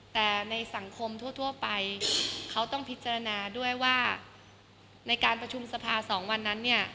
แต่ในสังคมทั่วไปเขาต้องพิจารณาด้วยว่าในการประชุมสภา๒วันนั้นเนี่ย